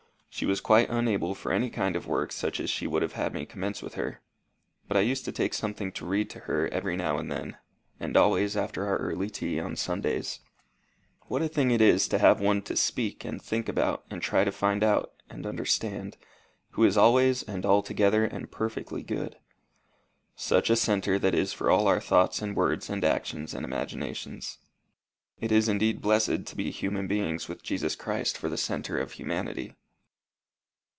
She was quite unable for any kind of work such as she would have had me commence with her, but I used to take something to read to her every now and then, and always after our early tea on Sundays. What a thing it is to have one to speak and think about and try to find out and understand, who is always and altogether and perfectly good! Such a centre that is for all our thoughts and words and actions and imaginations! It is indeed blessed to be human beings with Jesus Christ for the centre of humanity.